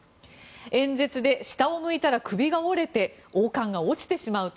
演説で下を向いたら首が折れて王冠が落ちてしまうと。